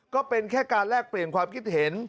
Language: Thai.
ก็เป็นแค่การแลกเปลี่ยนความคิดเห็น